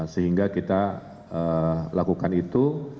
sehingga kita lakukan itu